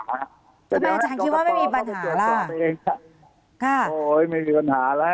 อาจารย์คิดว่าไม่มีปัญหาค่ะโอ้ยไม่มีปัญหาแล้ว